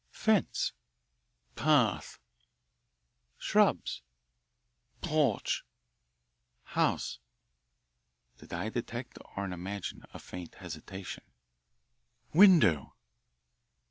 "Fence." "Path." "Shrubs." "Porch." "House." Did I detect or imagine a faint hesitation? "Window."